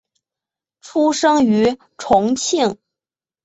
出生于重庆。